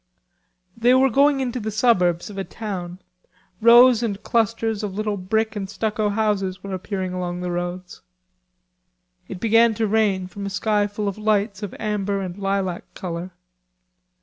They were going into the suburbs of a town. Rows and clusters of little brick and stucco houses were appearing along the roads. It began to rain from a sky full of lights of amber and lilac color.